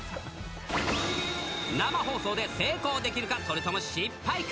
生放送で成功できるか、それとも失敗か。